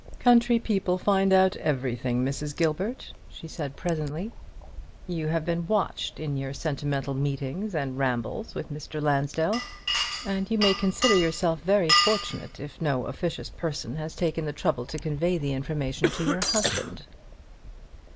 "Country people find out everything, Mrs. Gilbert," she said, presently. "You have been watched in your sentimental meetings and rambles with Mr. Lansdell; and you may consider yourself very fortunate if no officious person has taken the trouble to convey the information to your husband."